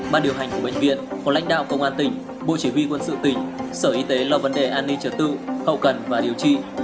ban điều hành của bệnh viện có lãnh đạo công an tỉnh bộ chỉ huy quân sự tỉnh sở y tế là vấn đề an ninh trật tự hậu cần và điều trị